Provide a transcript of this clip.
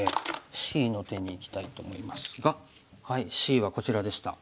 Ｃの手にいきたいと思いますがＣはこちらでした。